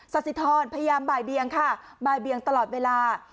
สติธรพยายามบ่ายเบียงค่ะบ่ายเบียงตลอดเวลา